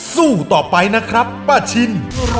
สู้ต่อไปนะครับป้าชิน